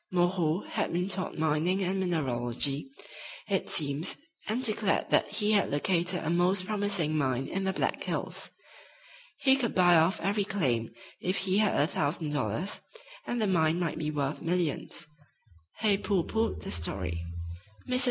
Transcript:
"Moreau" had been taught mining and mineralogy, it seems, and declared that he had "located" a most promising mine in the Black Hills. He could buy off every claim if he had a thousand dollars, and the mine might be worth millions. Hay pooh poohed the story. Mrs.